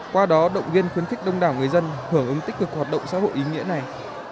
qua đó động viên khuyến khích đông đảo người dân hưởng ứng tích cực hoạt động xã hội ý nghĩa này